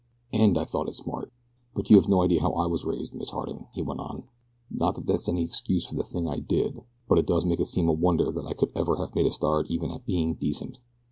and I thought it smart! "But you have no idea how I was raised, Miss Harding," he went on. "Not that that's any excuse for the thing I did; but it does make it seem a wonder that I ever could have made a start even at being decent.